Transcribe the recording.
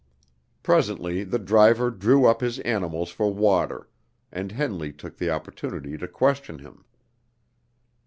Presently the driver drew up his animals for water, and Henley took the opportunity to question him.